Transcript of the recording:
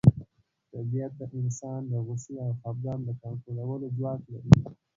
طبیعت د انسان د غوسې او خپګان د کنټرولولو ځواک لري.